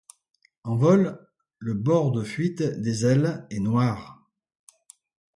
En vol, le bord de fuite des ailes est noir.